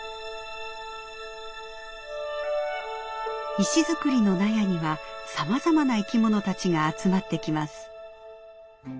石造りの納屋にはさまざまな生き物たちが集まってきます。